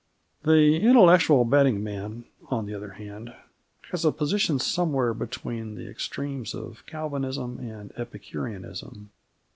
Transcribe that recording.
The intellectual betting man, on the other hand, has a position somewhere between the extremes of Calvinism and Epicureanism.